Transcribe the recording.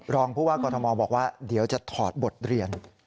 รองผู้ว่ากรทมบอกว่าเดี๋ยวจะถอดบทเรียน